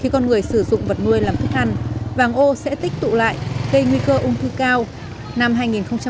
khi con người sử dụng vật nuôi làm thức ăn vàng ô sẽ tích tụ lại gây nguy cơ ung thư cao